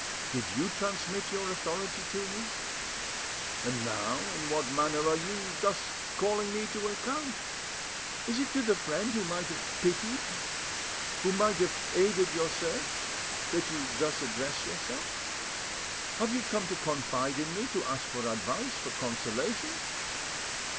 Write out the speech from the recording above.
Did you transmit your authority to me? And now, in what manner are you thus calling me to account? Is it to the friend who might have pitied, who might have aided your search, that you thus address yourself? Have you come to confide in me, to ask for advice, for consolation?